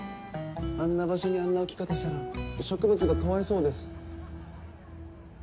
あんな場所にあんな置き方したら植物がかわいそうです